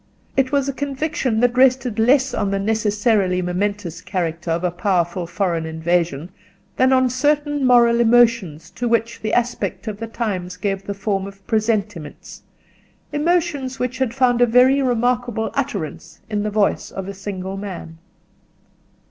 It was a conviction that rested less on the necessarily momentous character of a powerful foreign invasion than on certain moral emotions to which the aspect of the times gave the form of presentiments: emotions which had found a very remarkable utterance in the voice of a single man.